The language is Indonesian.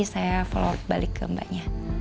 saya follow balik ke mbaknya